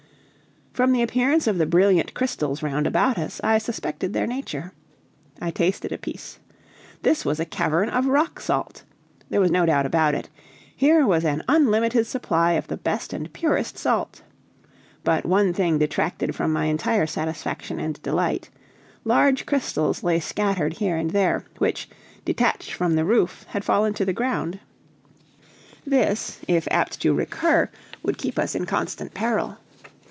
From the appearance of the brilliant crystals round about us I suspected their nature. I tasted a piece. This was a cavern of rock salt. There was no doubt about it here was an unlimited supply of the best and purest salt! But one thing detracted from my entire satisfaction and delight large crystals lay scattered here and there, which, detached from the roof, had fallen to the ground; this, if apt to recur, would keep us in constant peril.